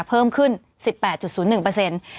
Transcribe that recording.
เพิ่มขึ้น๑๘๐๑เปอร์เซ็นต์